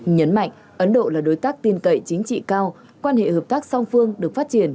nhấn mạnh ấn độ là đối tác tin cậy chính trị cao quan hệ hợp tác song phương được phát triển